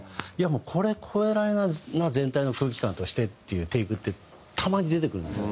もうこれ超えられないな全体の空気感としてっていうテイクってたまに出てくるんですよ。